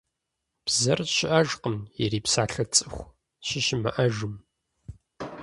Бзэр щыӀэжкъым, ирипсалъэ цӀыху щыщымыӀэжым.